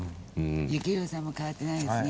幸宏さんも変わってないですね。